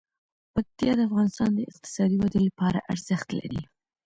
پکتیا د افغانستان د اقتصادي ودې لپاره ارزښت لري.